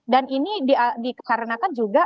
dan ini dikarenakan juga